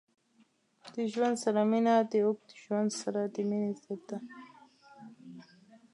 د ژوند سره مینه د اوږد ژوند سره د مینې ضد ده.